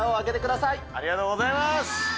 ありがとうございます。